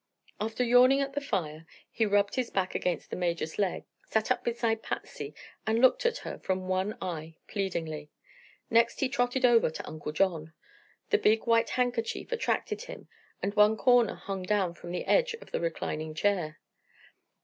After yawning at the fire he rubbed his back against the Major's legs, sat up beside Patsy and looked at her from one eye pleadingly. Next he trotted over to Uncle John. The big white handkerchief attracted him and one corner hung down from the edge of the reclining chair.